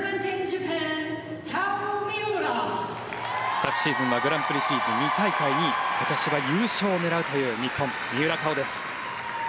昨シーズンはグランプリシリーズ２大会２位今年は優勝を狙うという三浦佳生です。